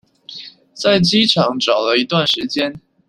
在機場找了一段時間